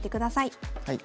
はい。